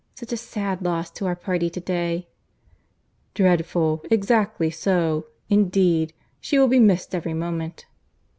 Such a sad loss to our party to day!" "Dreadful!—Exactly so, indeed.—She will be missed every moment."